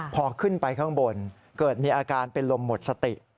พอขึ้นไปข้างบนเกิดมีอาการเป็นลมหมดสติ